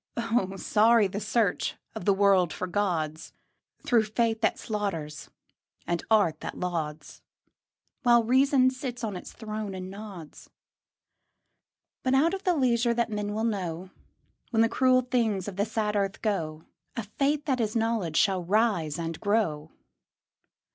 Oh, sorry the search of the world for gods, Through faith that slaughters and art that lauds, While reason sits on its throne and nods. But out of the leisure that men will know, When the cruel things of the sad earth go, A Faith that is Knowledge shall rise and grow.